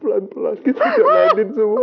pelan pelan kita jalanin semuanya ya